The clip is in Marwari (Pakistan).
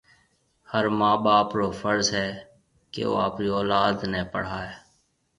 هر مان ٻاپ رو فرض هيَ ڪيَ او آپريَ اولاد نَي پڙهائي۔